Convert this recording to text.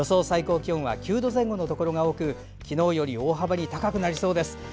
最高気温は９度前後のところが多く昨日より大幅に高くなりそうです。